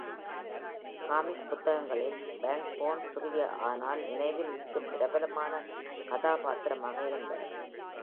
Comic புத்தகங்களில் பாங்போர்ன் சிறிய ஆனால் நினைவில் நிற்கும் பிரபலமான கதாபாத்திரமாக இருந்தார்.